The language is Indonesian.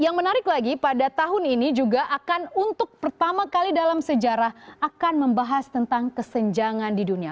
yang menarik lagi pada tahun ini juga akan untuk pertama kali dalam sejarah akan membahas tentang kesenjangan di dunia